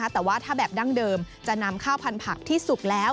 แต่ว่าถ้าแบบดั้งเดิมจะนำข้าวพันธักที่สุกแล้ว